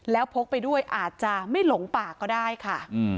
แล้วพกไปด้วยอาจจะไม่หลงป่าก็ได้ค่ะ